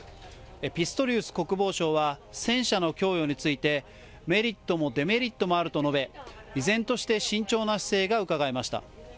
ピストリウス国防相は、戦車の供与について、メリットもデメリットもあると述べ、依然として慎重な姿勢がうかがえました。